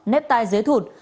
nếp tay dưới thụt